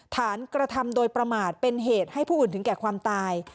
กระทำโดยประมาทเป็นเหตุให้ผู้อื่นถึงแก่ความตาย